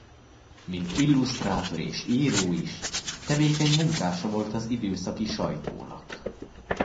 Mint illusztrátor és író is tevékeny munkása volt az időszaki sajtónak.